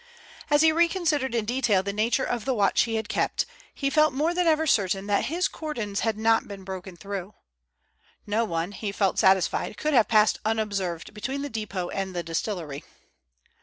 As he reconsidered in detail the nature of the watch he had kept, he felt more than ever certain that his cordons had not been broken through. No one, he felt satisfied, could have passed unobserved between the depot and the distillery.